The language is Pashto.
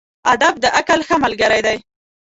ادب د عقل ښه ملګری دی.